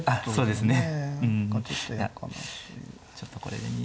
そうですね。